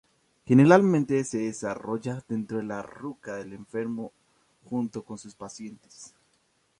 Generalmente se desarrolla dentro de la ruca del enfermo junto con sus parientes.